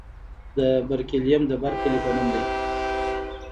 د برکیلیم د برکلي په نوم دی.